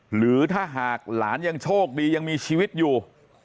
หรือถ้าหากหลานยังโชคดียังมีชีวิตอยู่